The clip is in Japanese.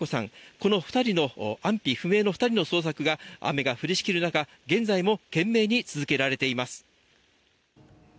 この安否不明の２人の捜索が雨が降りしきる中現在も懸命に続けられています。